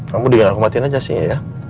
kamu dingin aku matiin aja sih ya